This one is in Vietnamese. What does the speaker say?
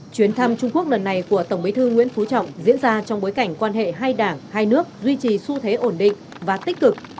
chuyến thăm trung quốc lần này của tổng bí thư nguyễn phú trọng diễn ra trong bối cảnh quan hệ hai đảng hai nước duy trì xu thế ổn định và tích cực